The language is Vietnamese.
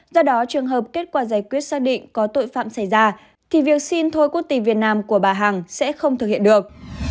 do đó trường hợp kết quả giải quyết xác định có tội phạm xảy ra thì việc xin thôi quốc tịch việt nam của bà hằng sẽ không thực hiện được